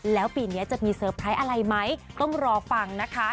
แล้วปีนี้จะมีเซอร์ไพรส์อะไรไหมต้องรอฟังนะคะ